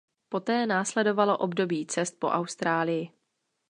Poté následovalo období cest po Austrálii.